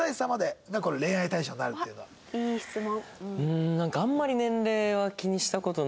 いい質問。